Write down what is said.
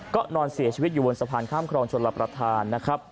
ก็นอนเสียชีวิตอยู่บนสะพานข้ามครองชนรับประทานนะครับ